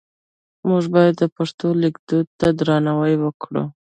موږ باید د پښتو لیک دود ته درناوی وکړو.